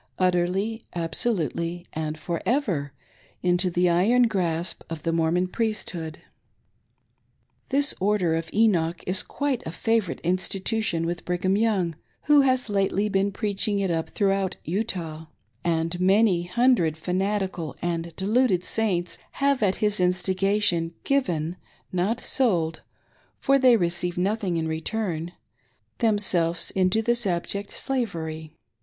Utterly, absolutely, and for ever, into the iron grasp of the Mormon Priesthood. This "Order of Enoch" is quite a favor ite institution with Brigham Young, who has lately been preaching it up throughout Utah ; and many hundred fanatical and deluded Saints have at his instigation given — not sold, for they receive nothing in return — themselves into this abject slavery.